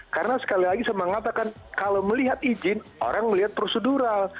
karena sekali lagi saya mengatakan kalau melihat izin orang melihat prosedural